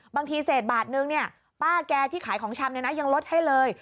บางทีเศษบาทนึงเนี่ยป้าแกที่ขายของชำยังลดให้เลย